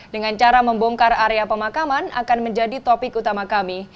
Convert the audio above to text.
dengan cara membongkar area pemakaman akan menjadi topik utama kami